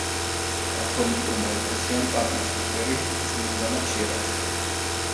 კათოლიკურმა ეკლესიამ პაპი სოტერი წმინდანად შერაცხა.